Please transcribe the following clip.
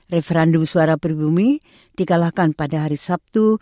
referendum suara peribumi dikalahkan pada hari sabtu